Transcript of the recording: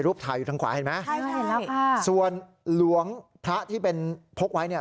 รูปถ่ายอยู่ทางขวาเห็นไหมนะฮะส่วนรวงพระที่พบไว้